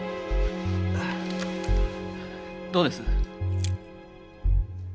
どうです？